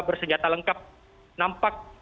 bersenjata lengkap nampak